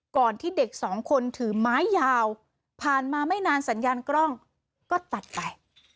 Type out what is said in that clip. ก่อนที่เด็กสองคนถือไม้ยาวผ่านมาไม่นานสัญญาณกล้องก็ตัดไป